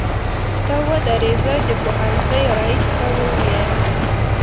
ته ودرې زه د پوهنځۍ ريس ته وويمه.